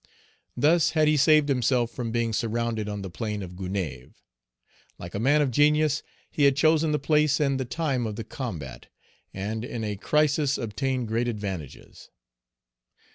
Thus had he saved himself from being surrounded on the plain of Gonaïves. Like a man of genius, he had chosen the place and the time of the combat, and in a crisis obtained great advantages.